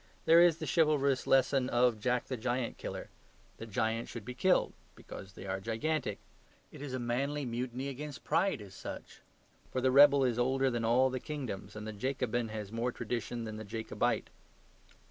There is the chivalrous lesson of "Jack the Giant Killer"; that giants should be killed because they are gigantic. It is a manly mutiny against pride as such. For the rebel is older than all the kingdoms, and the Jacobin has more tradition than the Jacobite.